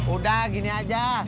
udah gini aja